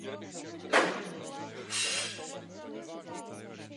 Často je používán pro nouzové konstrukce a opravy a konstrukce základů strojů.